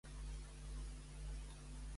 Quan se sentia rar?